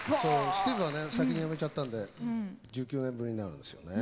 スティーブは先にやめちゃったんで１９年ぶりになるんですよね。